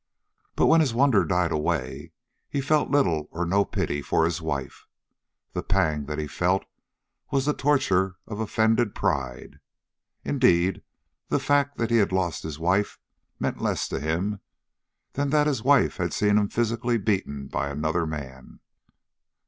But when his wonder died away, he felt little or no pity for his wife. The pang that he felt was the torture of offended pride. Indeed, the fact that he had lost his wife meant less to him than that his wife had seen him physically beaten by another man.